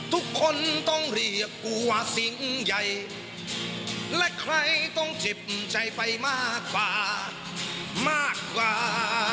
ทุกคนต้องรีบกลัวสิ่งใหญ่และใครต้องเจ็บใจไปมากกว่ามากกว่า